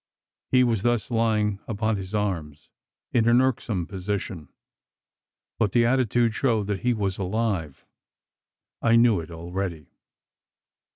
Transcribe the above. He was thus lying upon his arms, in an irksome position; but the attitude showed that he was alive. I knew it already.